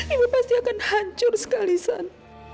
ibu pasti akan hancur sekali san